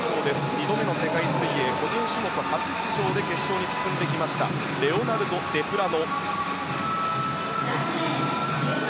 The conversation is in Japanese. ２度目の世界水泳個人種目初出場で決勝に進んできましたレオナルド・デプラノ。